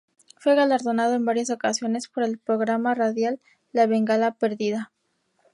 Fue galardonado en varias ocasiones por el programa radial La Bengala Perdida.